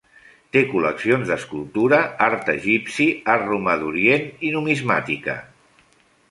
Té col·leccions d'escultura, art egipci, art romà d'Orient i numismàtica.